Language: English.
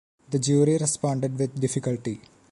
The jury responded with difficulty.